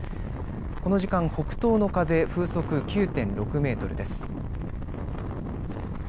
この時間、北東の風風速９．６メートルです。